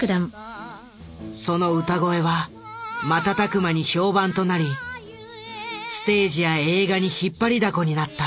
その歌声は瞬く間に評判となりステージや映画に引っ張りだこになった。